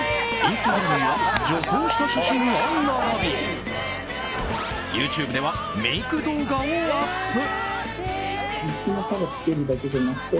インスタグラムには女装した写真が並びＹｏｕＴｕｂｅではメイク動画をアップ。